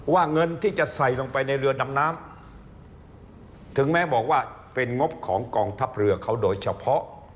เงินที่จะใส่ลงไปในเรือดำน้ำถึงแม้บอกว่าเป็นงบของกองทัพเรือเขาโดยเฉพาะ